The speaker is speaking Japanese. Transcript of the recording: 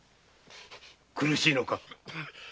苦しいのか？